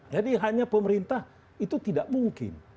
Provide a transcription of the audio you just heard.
jadi hanya pemerintah itu tidak mungkin